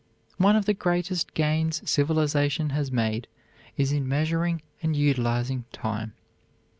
One of the greatest gains civilization has made is in measuring and utilizing time.